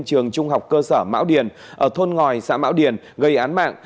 trường trung học cơ sở mão điền ở thôn ngòi xã mão điền gây án mạng